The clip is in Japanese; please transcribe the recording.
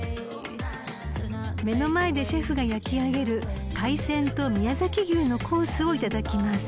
［目の前でシェフが焼き上げる海鮮と宮崎牛のコースをいただきます］